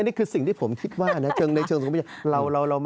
อันนี้คือสิ่งที่ผมคิดว่าเชิงในเชิงสุขมือเชิง